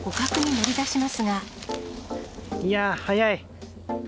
いや、速い。